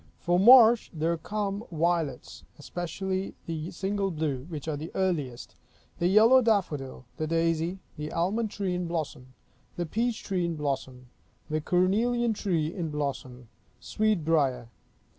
For March, there come violets, specially the single blue, which are the earliest; the yellow daffodil; the daisy; the almond tree in blossom; the peach tree in blossom; the cornelian tree in blossom; sweet briar.